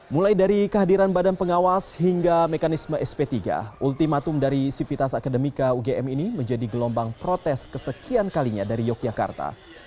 mulai dari kehadiran badan pengawas hingga mekanisme sp tiga ultimatum dari sivitas akademika ugm ini menjadi gelombang protes kesekian kalinya dari yogyakarta